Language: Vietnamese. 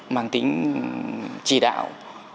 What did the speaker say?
mang tính trì đạo